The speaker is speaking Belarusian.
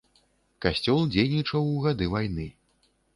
Касцёл дзейнічаў у гады вайны.